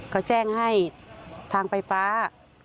เขาแจ้งให้ทางไฟฟ้า